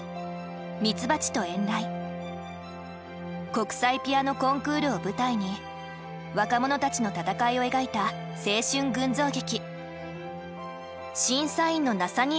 国際ピアノコンクールを舞台に若者たちの闘いを描いた青春群像劇。